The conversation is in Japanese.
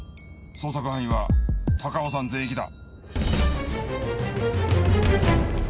捜索範囲は高尾山全域だ。